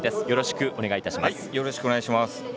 よろしくお願いします。